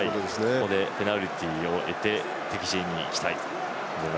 ここでペナルティーを得て敵陣に行きたいと。